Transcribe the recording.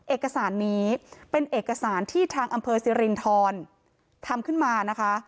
เอกสารนี้เป็นเอกสารที่ทางอำเภอสิรินทรทำขึ้นมานะคะ